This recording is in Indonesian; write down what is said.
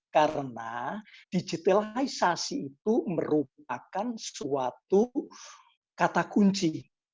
karena digitalisasi itu merupakan suatu kata kunci